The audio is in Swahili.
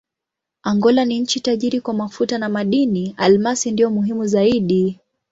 Angola ni nchi tajiri kwa mafuta na madini: almasi ndiyo muhimu zaidi.